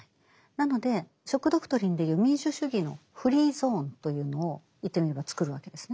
なので「ショック・ドクトリン」でいう民主主義のフリーゾーンというのを言ってみれば作るわけですね。